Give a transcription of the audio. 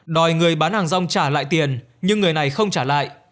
đòi người bán hàng rong trả lại tiền nhưng người này không trả lại